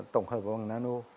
tổng hợp bằng nano